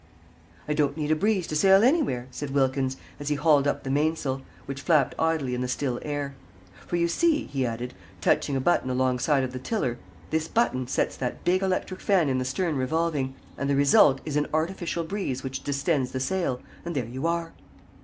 "I don't need a breeze to sail anywhere," said Wilkins, as he hauled up the mainsail, which flapped idly in the still air. "For you see," he added, touching a button alongside of the tiller, "this button sets that big electric fan in the stern revolving, and the result is an artificial breeze which distends the sail, and there you are."